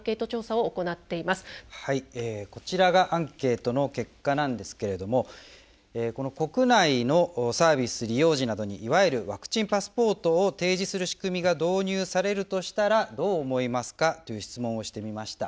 はいこちらがアンケートの結果なんですけれども国内のサービス利用時などにいわゆるワクチンパスポートを提示する仕組みが導入されるとしたらどう思いますかという質問をしてみました。